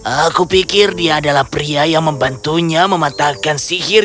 aku pikir dia adalah pria yang membantunya mematahkan sihir